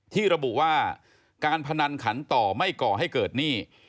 ที่ระบุว่าการพนันขันต่อไม่ก่อให้เกิดหนี้